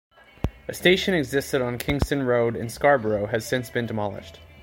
A station existed on Kingston Road in Scarborough has since been demolished.